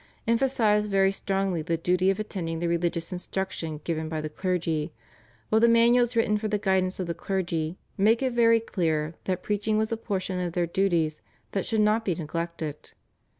emphasise very strongly the duty of attending the religious instruction given by the clergy, while the manuals written for the guidance of the clergy make it very clear that preaching was a portion of their duties that should not be neglected.